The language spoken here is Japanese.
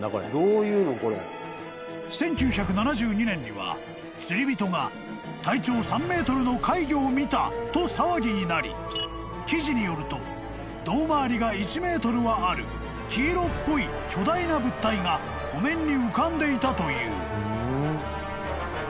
［１９７２年には釣り人が体長３ｍの怪魚を見たと騒ぎになり記事によると胴回りが１ｍはある黄色っぽい巨大な物体が湖面に浮かんでいたという］